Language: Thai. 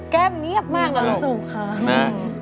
แก้มเงียบมากเรารู้สึกค่ะ